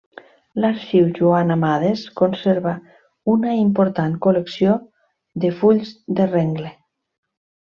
L'Arxiu Joan Amades conserva una important col·lecció de fulls de rengle.